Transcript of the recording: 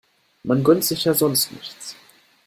Man gönnt sich ja sonst nichts.